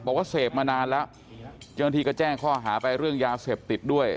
บอกว่าเสพมานานแล้วเจ้าหน้าที่ก็แจ้งข้อหาไปเรื่องยาเสพติดด้วย